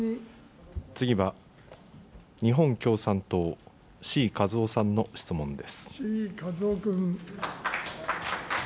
次は日本共産党、志位和夫さんの質問です。